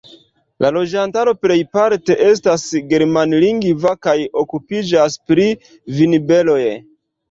La loĝantaro plejparte estas germanlingva kaj okupiĝas pri vinberoj.